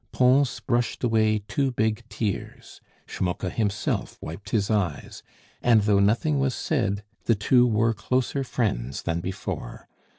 Pons brushed away two big tears, Schmucke himself wiped his eyes; and though nothing was said, the two were closer friends than before.